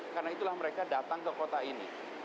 karena itulah mereka datang ke kota ini